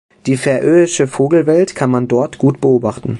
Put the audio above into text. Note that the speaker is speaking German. Die färöische Vogelwelt kann man dort gut beobachten.